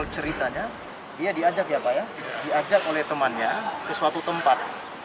ceritanya dia diajak ya pak ya diajak oleh temannya ke suatu tempat